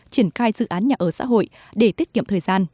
triển khai dự án nhà ở xã hội để tiết kiệm thời gian